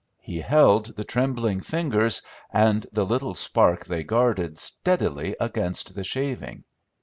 He held the trembling fingers and the little spark they guarded steadily against the shaving.